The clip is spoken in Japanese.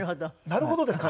「なるほど」ですか？